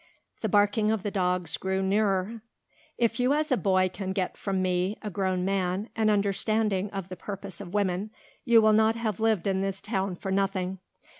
The barking of the dogs grew nearer. "If you as a boy can get from me, a grown man, an understanding of the purpose of women you will not have lived in this town for nothing.